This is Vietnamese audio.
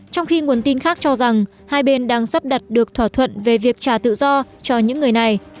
trong khi nguồn tin khác cho rằng hai bên đang sắp đặt được thỏa thuận về việc trả tự do cho những người này